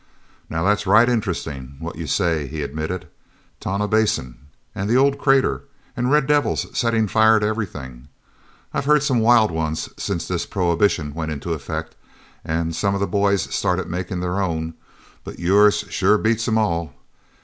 "Now, that's right interesting, what you say," he admitted. "Tonah Basin, and the old crater, and red devils settin' fire to everything. I've heard some wild ones since this Prohibition went into effect and some of the boys started makin' their own, but yours sure beats 'em all.